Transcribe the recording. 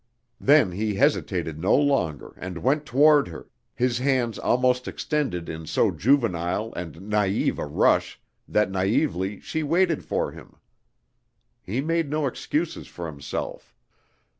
Then he hesitated no longer and went toward her, his hands almost extended in so juvenile and naïve a rush that naïvely she waited for him. He made no excuses for himself.